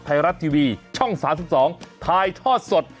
ไทยรัฐทีวีช่อง๓๒ถ่ายทอดสด